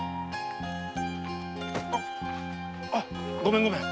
あっごめんごめん。